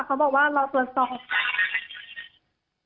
เขาบอกว่ารอตรวจสอบ